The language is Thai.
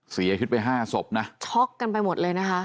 เสียชีวิตไปห้าศพนะช็อกกันไปหมดเลยนะคะ